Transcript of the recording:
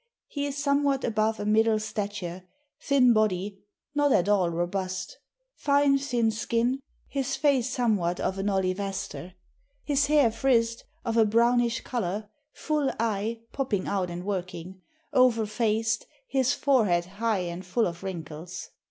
He is somewhat above a middle stature, thin body, not at all robust: fine thin skin, his face somewhat of an olivaster; his hayre frized, of a brownish colour, full eie, popping out and working; ovall faced, his forehead high and full of wrinkles.